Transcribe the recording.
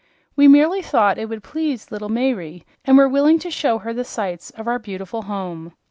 We merely thought it would please little Mayre, and were willing to show her the sights of our beautiful home."